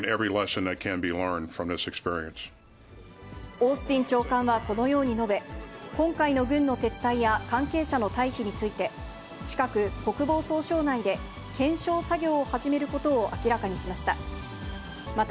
オースティン長官はこのように述べ、今回の軍の撤退や関係者の退避について、近く、国防総省内で検証作業を始めることを明らかにしました。